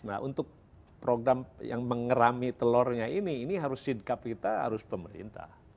nah untuk program yang mengerami telurnya ini ini harus sikap kita harus pemerintah